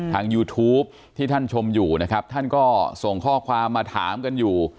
ยูทูปที่ท่านชมอยู่นะครับท่านก็ส่งข้อความมาถามกันอยู่